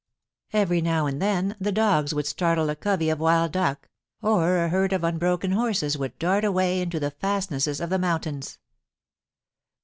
Every now and then, the dogs would startle a covey of wild duck, or a herd of unbroken horses would dart away into the fastnesses of the mountains.